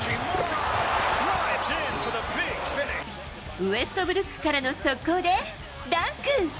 ウェストブルックからの速攻で、ダンク。